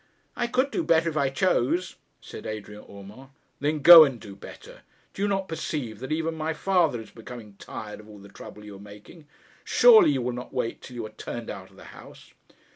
'I could do better if I chose,' said Adrian Urmand. 'Then go and do better. Do you not perceive that even my father is becoming tired of all the trouble you are making? Surely you will not wait till you are turned out of the house?'